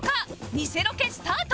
ニセロケスタート！